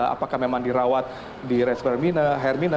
apakah memang dirawat di rs hermina hermina